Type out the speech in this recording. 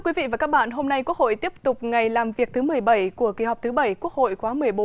quý vị và các bạn hôm nay quốc hội tiếp tục ngày làm việc thứ một mươi bảy của kỳ họp thứ bảy quốc hội khóa một mươi bốn